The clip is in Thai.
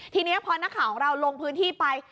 ทีนี้พอนักข่าวของเราลงพื้นที่ไป